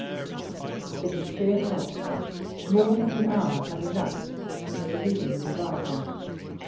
It was three o'clock; more than an hour had elapsed since the reading of the Riot Act.